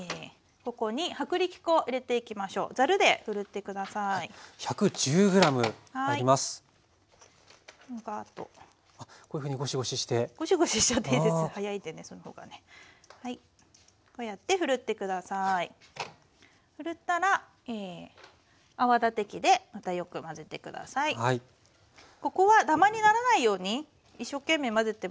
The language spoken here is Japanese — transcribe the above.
ここはダマにならないように一生懸命混ぜてもらえばいいです。